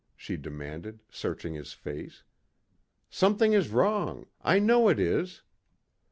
she demanded, searching his face. "Something is wrong. I know it is."